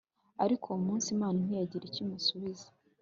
ariko uwo munsi, imana ntiyagira icyo imusubiza